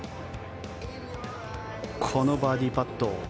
このバーディーパット。